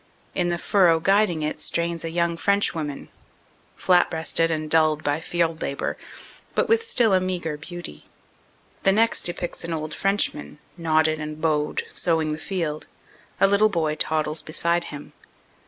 In the furrow guiding it strains a young Frenchwoman, flat breasted and dulled by field labor, but with still a meagre beauty. The next depicts an old Frenchman, knotted and bowed, sowing the field. A little boy toddles beside him.